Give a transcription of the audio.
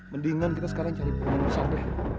mendingan kita sekarang cari pemain besar deh